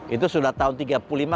itu sudah tahun tiga puluh lima